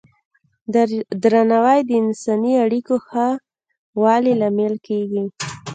درناوی د انساني اړیکو ښه والي لامل کېږي.